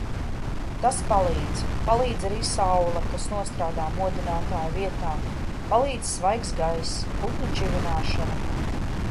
Tas palīdz. Palīdz arī saule, kas nostrādā modinātāja vietā. Palīdz svaigs gaiss, putnu čivināšana.